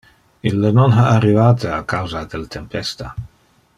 Ille non ha arrivate a causa del tempesta.